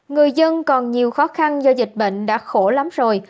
người dân còn nhiều khó khăn do dịch bệnh đã khổ lắm rồi